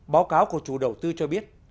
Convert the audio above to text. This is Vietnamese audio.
báo cáo của chủ đầu tư cho biết